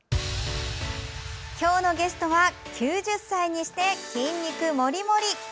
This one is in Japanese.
今日のゲストは９０歳にして筋肉もりもり！